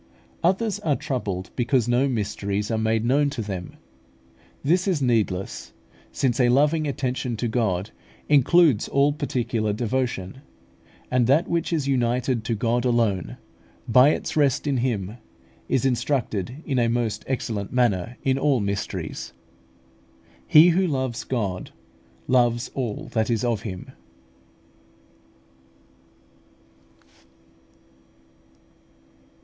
Others are troubled because no mysteries are made known to them: this is needless, since a loving attention to God includes all particular devotion, and that which is united to God alone, by its rest in Him, is instructed in a most excellent manner in all mysteries. He who loves God loves all that is of Him.